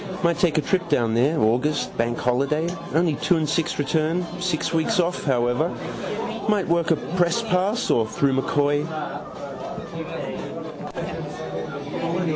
Might take a trip down there. August bank holiday, only two and six return. Six weeks off, however. Might work a press pass. Or through M'Coy.